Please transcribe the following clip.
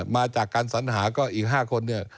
มาจากการสัญหาก็อีก๕คนเนี่ย